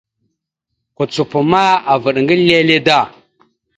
Kucupa ma avaɗ ŋga lele da.